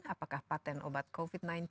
apakah patent obat covid sembilan belas